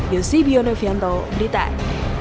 yusif yonufyanto blitar